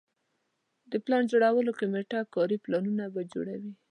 د پلان جوړولو کمیټه کاري پلانونه به جوړوي.